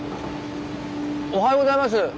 おはようございます。